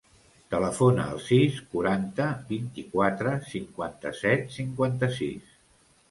Telefona al sis, quaranta, vint-i-quatre, cinquanta-set, cinquanta-sis.